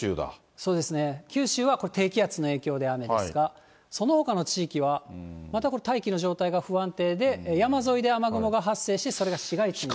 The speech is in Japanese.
そうですね、九州は低気圧の影響で雨ですが、そのほかの地域は、またこれ大気の状態が不安定で、山沿いで雨雲が発生し、それが市街地に。